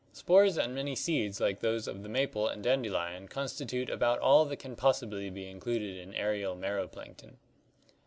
Spores and many seeds like those of the maple and dandelion constitute about all that can possibly be included in aerial mero plankton.